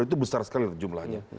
itu besar sekali jumlahnya